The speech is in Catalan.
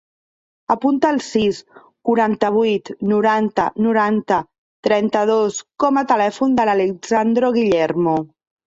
Apunta el sis, quaranta-vuit, noranta, noranta, trenta-dos com a telèfon de l'Alessandro Guillermo.